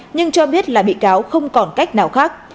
nhưng cho biết là bị cáo không còn cách nào khác